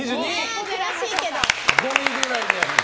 悔しいけど。